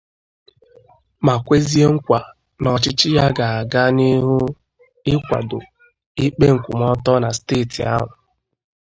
ma kwezie nkwà na ọchịchị ya ga-aga n'ihu ịkwàdò ikpe nkwụmọtọ na steeti ahụ